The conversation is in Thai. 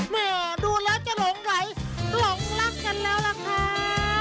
แม่ดูแล้วจะหลงไหลหลงรักกันแล้วล่ะค่ะ